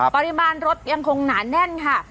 ปริมาณรถยังคงหนาแน่นค่ะ